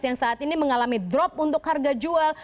yang saat ini mengalami drop untuk harga jual